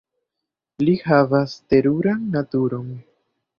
Li havas teruran naturon.